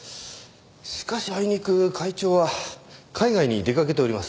しかしあいにく会長は海外に出かけております。